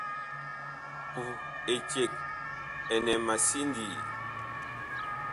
Puh eceg ɛnɛ ma sindii.